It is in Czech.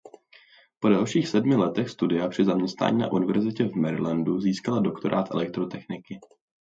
Po dalších sedmi letech studia při zaměstnání na Univerzitě v Marylandu získala doktorát elektrotechniky.